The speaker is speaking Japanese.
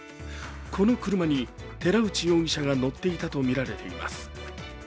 この車に寺内容疑者が乗っていたとみられています。